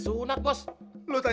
kan rugi sih ubay